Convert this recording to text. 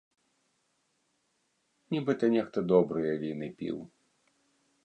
Нібыта нехта добрыя віны піў.